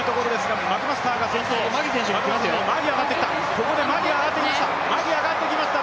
ここでマギが上がってきました。